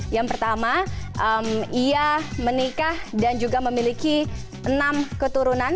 yang pertama ia menikah dan juga memiliki enam keturunan